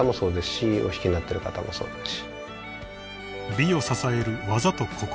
［美を支える技と心］